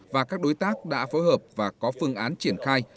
và các đối tác đã phối hợp và có phương án triển khai